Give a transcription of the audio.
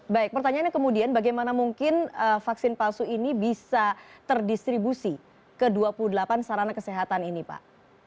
baik pertanyaannya kemudian bagaimana mungkin vaksin palsu ini bisa terdistribusi ke dua puluh delapan sarana kesehatan ini pak